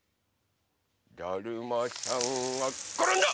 だるまさんがころんだ！